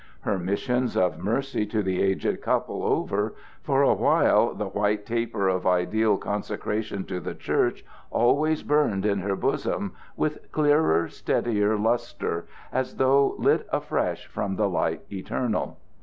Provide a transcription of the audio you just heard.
Her missions of mercy to the aged couple over, for a while the white taper of ideal consecration to the Church always burned in her bosom with clearer, steadier lustre, as though lit afresh from the Light eternal.